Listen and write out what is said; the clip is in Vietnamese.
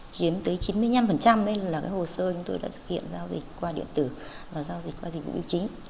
chiếm tới chín mươi năm là cái hồ sơ chúng tôi đã thực hiện giao dịch qua điện tử và giao dịch qua dịch vụ y chính